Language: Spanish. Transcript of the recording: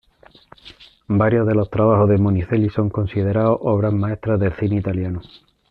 Varios de los trabajos de Monicelli son considerados obras maestras del cine italiano.